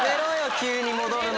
急に戻るの。